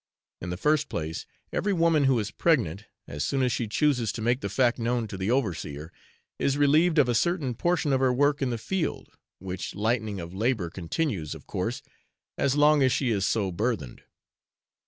In the first place, every woman who is pregnant, as soon as she chooses to make the fact known to the overseer, is relieved of a certain portion of her work in the field, which lightening of labour continues, of course, as long as she is so burthened.